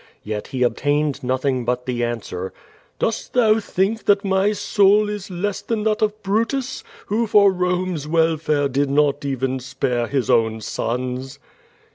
Yet he obtained nothing but the ansAver: "Dost thou think that my soul is less than tluit of Brutus, who for Pome's welfare did not even spaix^ his own .<ons?''